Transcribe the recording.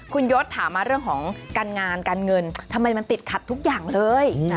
คุณยศถามมาเรื่องของการงานการเงินทำไมมันติดขัดทุกอย่างเลย